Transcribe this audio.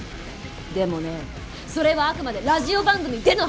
でもねそれはあくまでラジオ番組での話！